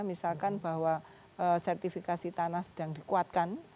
misalkan bahwa sertifikasi tanah sedang dikuatkan